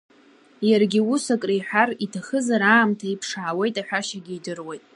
Иаргьы ус акры иҳәар иҭахызар, аамҭа иԥшаауеит, аҳәашьагьы идыруеит.